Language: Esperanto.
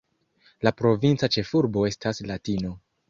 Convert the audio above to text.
La provinca ĉefurbo estas Latino.